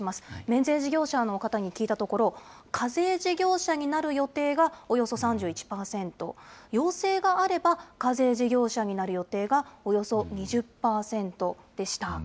免税事業者の方に聞いたところ、課税事業者になる予定がおよそ３１％、要請があれば、課税事業者になる予定がおよそ２０％でした。